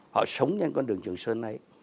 họ sống trên con đường trường sơn này